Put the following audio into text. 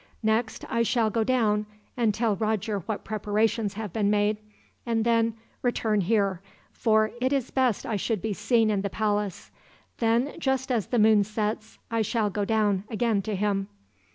Next I shall go down, and tell Roger what preparations have been made; and then return here, for it is best I should be seen in the palace. Then, just as the moon sets, I shall go down again to him.'